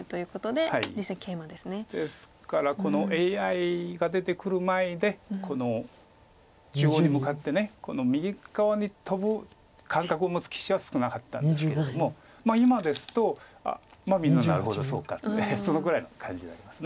ですからこのＡＩが出てくる前で中央に向かってこの右側にトブ感覚を持つ棋士は少なかったんですけれども今ですとみんな「なるほどそうか」ってそのぐらいの感じになります。